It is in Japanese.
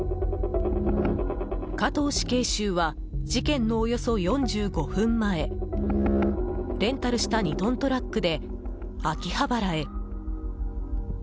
加藤死刑囚は事件のおよそ４５分前レンタルした２トントラックで秋葉原へ。